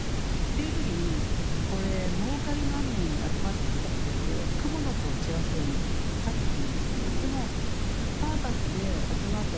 いうときにこれ儲かりまんねんで集まってきた人って蜘蛛の子を散らすように去っていくんです。